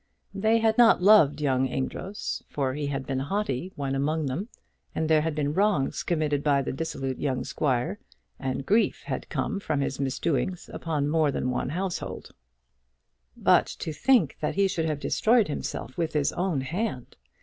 They had not loved young Amedroz, for he had been haughty when among them, and there had been wrongs committed by the dissolute young squire, and grief had come from his misdoings upon more than one household; but to think that he should have destroyed himself with his own hand!